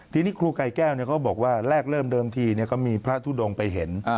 ทีนี้ครูไก่แก้วเขาบอกว่าแรกเริ่มเดิมทีก็มีพระทุดงไปเห็น